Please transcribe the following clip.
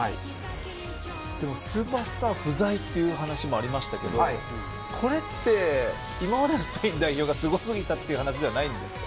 でも、スーパースター不在という話もありましたけどこれって今までのスペイン代表がすごすぎたという話ではないですか。